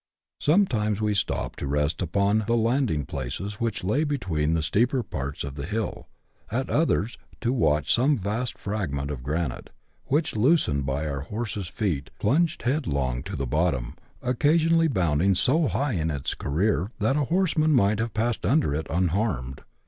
Sometimes we stopped to rest upon the landing places which lay between the steeper parts of the hill ; at others, to watch some vast fragment of granite, which, loosened by our horses' feet, plunged headlong to the bottom, occasionally bounding so high in its career that a horseman might have passed under it unharmed.